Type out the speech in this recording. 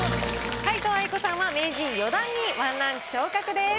皆藤愛子さんは名人４段に１ランク昇格です。